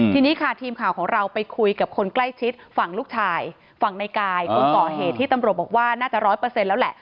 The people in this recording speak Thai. ทีนี้ค่ะทีมข่าวของเราไปคุยกับคนใกล้ชิดฝั่งลูกชายฝั่งในกายคนก่อเหตุที่ตำรวจบอกว่าน่าจะร้อยเปอร์เซ็นต์แล้วแหละ